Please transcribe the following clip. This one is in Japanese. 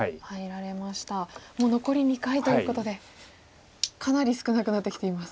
もう残り２回ということでかなり少なくなってきています。